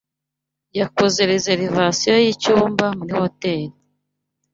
Yakoze reservation y'icyumba muri hoteri.